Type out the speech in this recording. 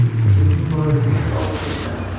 Bizning bolaligimiz og‘ir kechdi